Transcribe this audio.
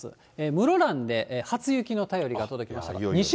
室蘭で初雪の便りが届きました。